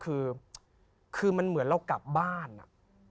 คือคือมันเหมือนเรากลับบ้านอ่ะ